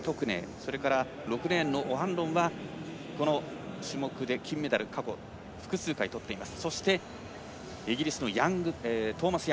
それから６レーンのオハンロンはこの種目で金メダル過去複数回とっています。